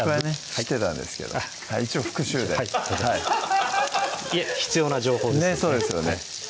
知ってたんですけど一応復習でいえ必要な情報ですそうですよね